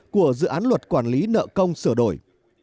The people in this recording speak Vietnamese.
của dự án luật quản lý nợ công sửa đổi